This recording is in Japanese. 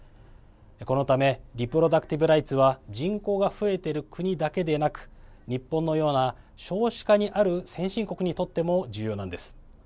このためリプロダクティブ・ライツは人口が増えている国だけでなく日本のような、少子化にある先進国にとっても重要なんです。